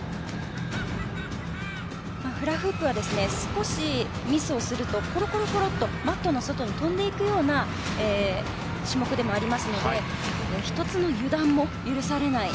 フラフープは少しミスをするとコロコロッとマットの外に飛んでいくような種目でもありますので１つの油断も許されない